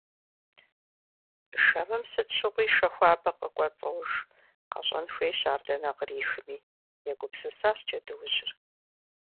Жэмым сыт щыгъуи шэ хуабэ къыкӏуэцӏож… Къэщӏэн хуейщ ар дэнэ кърихми - егупсысащ джэдуужьыр.